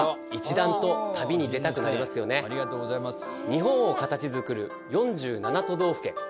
日本を形作る４７都道府県。